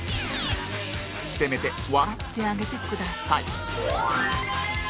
せめて笑ってあげてください